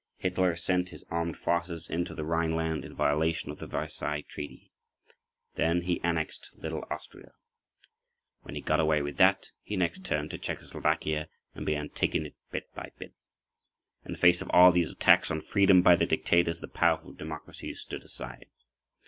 Hitler sent his armed forces into the Rhineland in violation of the Versailles Treaty. Then he annexed little Austria. When he got away with that, he next turned to Czechoslovakia and began taking it bit by bit. In the face of all these attacks on freedom by the dictators, the powerful democracies stood aside.